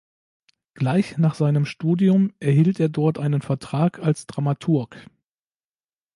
Gleich nach seinem Studium erhielt er dort einen Vertrag als Dramaturg.